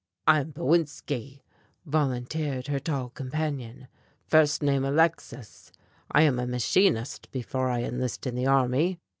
"I am Bowinski," volunteered her tall companion, "first name Alexis. I am a machinist before I enlist in the army."